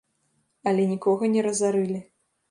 Але нікога не разарылі.